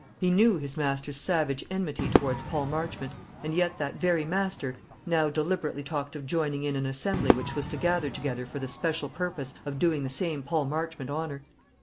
He knew his master's savage enmity towards Paul Marchmont; and yet that very master now deliberately talked of joining in an assembly which was to gather together for the special purpose of doing the same Paul Marchmont honour.